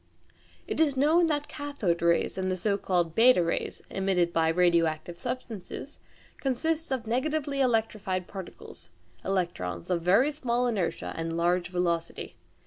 It is known that cathode rays and the so called b rays emitted by radioactive substances consist of negatively electrified particles (electrons) of very small inertia and large velocity.